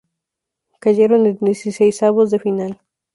Cayeron en dieciseisavos de final.